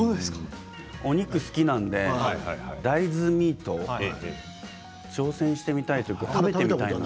お肉好きなので大豆ミート挑戦してみたい、食べてみたい。